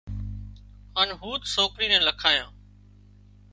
هانَ هوٿ سوڪرِي نين لکايان